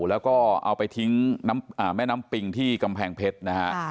แล้วก็เอาไปทิ้งแม่น้ำปิงที่กำแพงเพชรนะฮะ